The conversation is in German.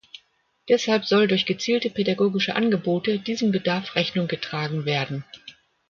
Deshalb soll durch gezielte pädagogische Angebote diesem Bedarf Rechnung getragen werden.